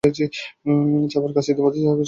ছাপার কাজ ইত্যাদিতে তোমাকে চটপটে হতে হবে।